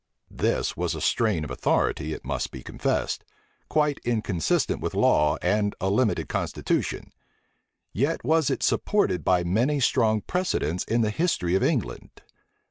This was a strain of authority, it must be confessed, quite inconsistent with law and a limited constitution; yet was it supported by many strong precedents in the history of England.